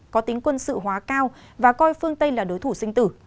có tính quân sự hóa cao và coi phương tây là đối thủ sinh tử